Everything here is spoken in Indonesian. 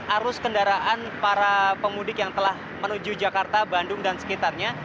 arus kendaraan para pemudik yang telah menuju jakarta bandung dan sekitarnya